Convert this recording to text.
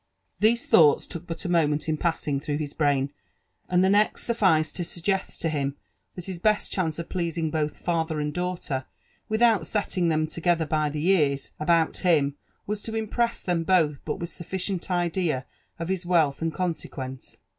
These thoughts took but a moment in passing through his brain, and the nextsuflliced to suggest to him that his best chance of pleasing both father and daughter, without setting them together by the ears, about him, was to impress them both with sufficient idea of his wealth and consequence.